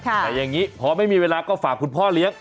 แต่อย่างนี้พอไม่มีเวลาก็ฝากคุณพ่อเลี้ยง